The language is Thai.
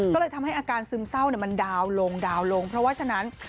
ก็เลยทำให้อาการซึมเศร้ามันดาวลงดาวลงเพราะฉะนั้น